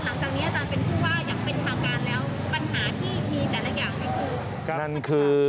อาจารย์หลังจากนี้อาจารย์เป็นผู้ว่าอย่างเป็นภาวการแล้ว